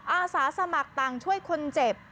อาสาสมัครต่างช่วยคนเจ็บ